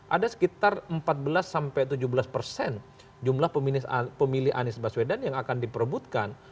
ada sekitar empat belas sampai tujuh belas persen jumlah pemilih anies baswedan yang akan diperbutkan